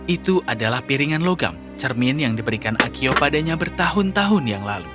itu adalah piringan logam cermin yang diberikan akio padanya bertahun tahun yang lalu